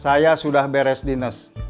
saya sudah beres dinas